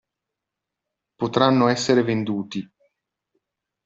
Potranno essere venduti.